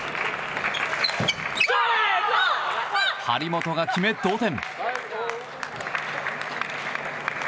張本が決め、同点。